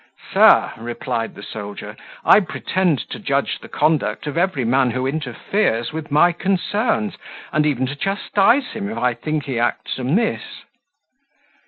"Sir," replied the soldier, "I pretend to judge the conduct of every man who interferes with my concerns, and even to chastise him, if I think he acts amiss."